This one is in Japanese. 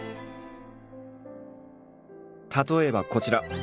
例えばこちら。